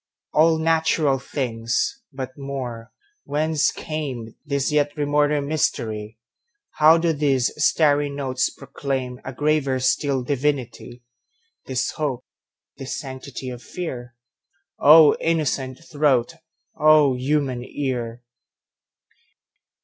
All natural things! But more—Whence cameThis yet remoter mystery? How do these starry notes proclaimA graver still divinity? This hope, this sanctity of fear?O innocent throat! O human ear!